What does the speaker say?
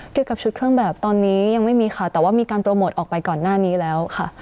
กับชุดเครื่องแบบตอนนี้ยังไม่มีค่ะแต่ว่ามีการโปรโมทออกไปก่อนหน้านี้แล้วค่ะ